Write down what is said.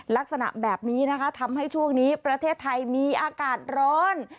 ลักษณะแบบนี้นะคะทำให้ช่วงนี้ประเทศไทยมีอากาศร้อน